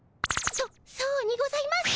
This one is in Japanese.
そそうにございます。